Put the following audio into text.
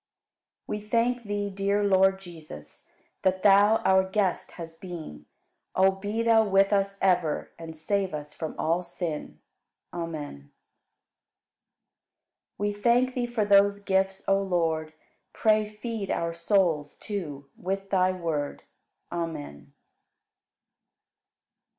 52. We thank Thee, dear Lord Jesus. That Thou our Guest hast been; O be Thou with us ever And save us from all sin. Amen. 53. We thank Thee for those gifts, O Lord; Pray feed our souls, too, with Thy Word. Amen.